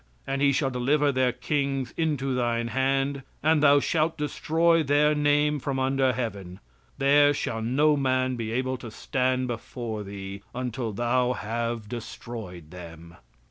"And he shall deliver their kings into thine hand, and thou shalt destroy their name from under heaven; there shall no man be able to stand before thee, until thou have destroyed them."